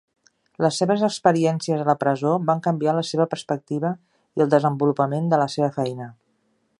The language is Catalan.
Les seves experiències a la presó van canviar la seva perspectiva i el desenvolupament de la seva feina.